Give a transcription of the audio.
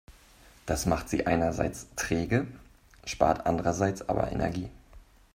Das macht sie einerseits träge, spart andererseits aber Energie.